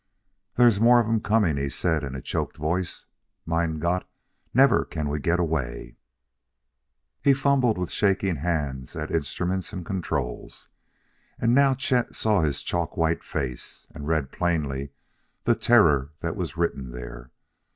"There's more of 'em coming!" he said in a choked voice. "Mein Gott! Neffer can we get away!" He fumbled with shaking hands at instruments and controls; and now Chet saw his chalk white face and read plainly the terror that was written there.